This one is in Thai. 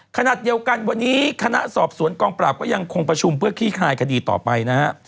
ขณะเดียวกันวันนี้คณะสอบสวนกองปราบก็ยังคงประชุมเพื่อขี้คลายคดีต่อไปนะฮะ